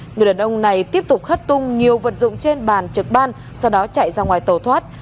người đàn ông này tiếp tục hất tung nhiều vật dụng trên bàn trực ban sau đó chạy ra ngoài tàu thoát